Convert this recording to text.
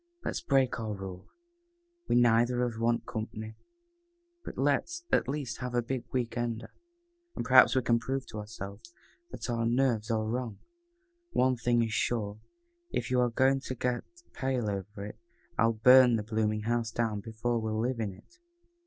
"Let's break our rule. We neither of us want company, but let's, at least, have a big week ender, and perhaps we can prove to ourselves that our nerves are wrong. One thing is sure, if you are going to get pale over it, I'll burn the blooming house down before we'll live in it."